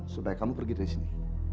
sudah kamu pergi dari sini